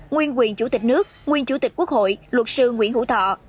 nguyên quyền chủ tịch nước nguyên chủ tịch quốc hội luật sư nguyễn hữu thọ